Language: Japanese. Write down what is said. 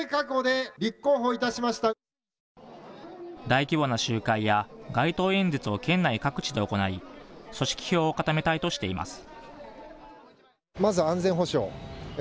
大規模な集会や街頭演説を県内各地で行い、組織票を固めたいとしています。